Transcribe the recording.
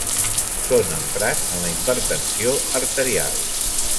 Són emprats en la hipertensió arterial.